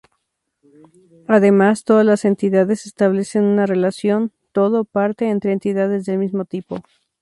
Además todas las entidades establecen una relación "todo"-"parte" entre entidades del mismo tipo.